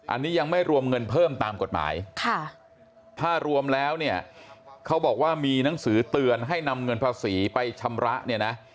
อันนี้ยังไม่รวมเงินเพิ่มตามกฎหมายถ้ารวมแล้วเนี่ยเขาบอกว่ามีหนังสือเตือนให้นำเงินภาษีไปชำระเนี่ยนะ